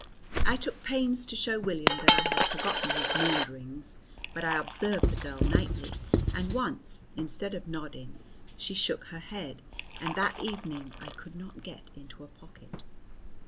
I took pains to show William that I had forgotten his maunderings, but I observed the girl nightly, and once, instead of nodding, she shook her head, and that evening I could not get into a pocket.